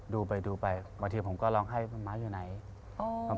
ดูไปบางทีผมก็ลองให้มาม่าอยู่ไหน